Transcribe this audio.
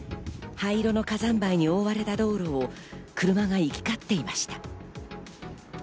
灰色の火山灰に覆われた道路を車が行きかっていました。